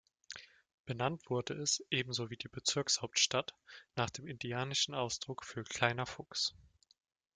Benannt wurde es, ebenso wie die Bezirkshauptstadt, nach dem indianischen Ausdruck für "Kleiner Fuchs".